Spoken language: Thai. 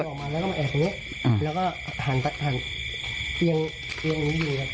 วิ่งออกมาแล้วก็มาแอบตรงนี้อืมแล้วก็หันหันเตียงเตียงนี้ดีกว่า